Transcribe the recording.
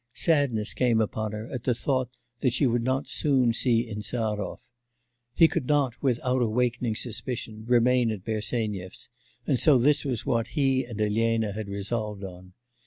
Sadness came upon her at the thought that she would not soon see Insarov. He could not without awakening suspicion remain at Bersenyev's, and so this was what he and Elena had resolved on.